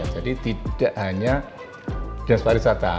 jadi tidak hanya dinas pariwisata